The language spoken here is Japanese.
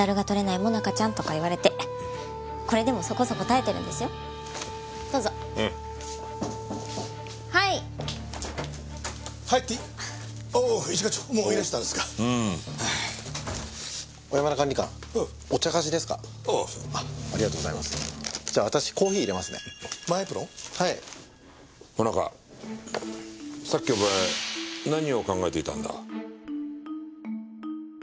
萌奈佳さっきお前何を考えていたんだ？